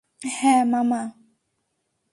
হ্যাঁ, মামা।